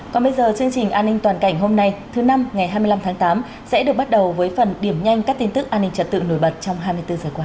còn bây giờ chương trình an ninh toàn cảnh hôm nay thứ năm ngày hai mươi năm tháng tám sẽ được bắt đầu với phần điểm nhanh các tin tức an ninh trật tự nổi bật trong hai mươi bốn giờ qua